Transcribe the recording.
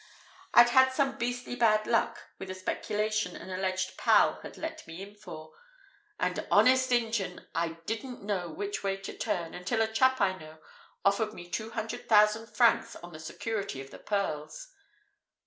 I'd had some beastly bad luck with a speculation an alleged pal had let me in for, and honest Injun, I didn't know which way to turn, until a chap I know offered me two hundred thousand francs on the security of the pearls."